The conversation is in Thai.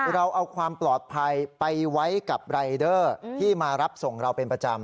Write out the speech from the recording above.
เราเอาความปลอดภัยไปไว้กับรายเดอร์ที่มารับส่งเราเป็นประจำ